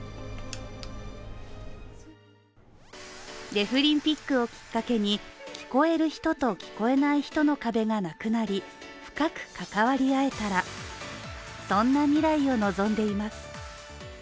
デフリンピックをきっかけに聞こえる人と聞こえない人の壁がなくなり深く関わり合えたら、そんな未来を望んでいます。